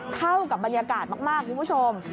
เข้ากับบรรยากาศมากคุณผู้ชม